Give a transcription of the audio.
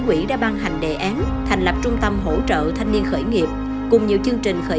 quỹ đã ban hành đề án thành lập trung tâm hỗ trợ thanh niên khởi nghiệp cùng nhiều chương trình khởi